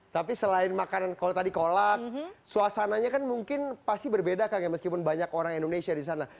tapi selain makanan kalau tadi kolak suasananya kan mungkin pasti berbeda kang ya meskipun banyak orang indonesia di sana